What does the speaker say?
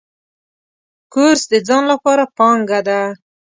کورس د ځان لپاره پانګه ده.